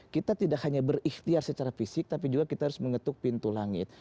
kita tidak hanya berikhtiar secara fisik tapi juga kita harus mengetuk pintu langit